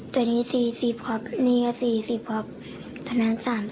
ตัวนี้๔๐บาทนี่ก็๔๐บาทตอนนั้น๓๐บาท